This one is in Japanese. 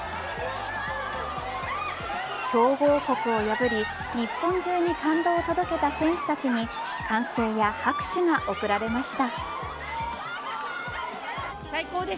強豪国を破り日本中に感動を届けた選手たちに歓声や拍手が送られました。